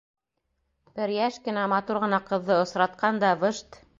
Бер йәш кенә, матур ғына ҡыҙҙы осратҡан да... выжт!